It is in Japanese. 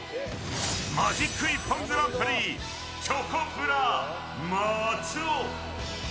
マジック一本グランプリチョコプラ、松尾。